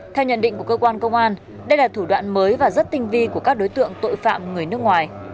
theo nhận định của cơ quan công an đây là thủ đoạn mới và rất tinh vi của các đối tượng tội phạm người nước ngoài